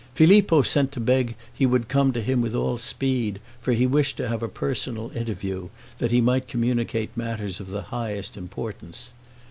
Filippo sent to beg he would come to him with all speed, for he wished to have a personal interview, that he might communicate matters of the highest importance.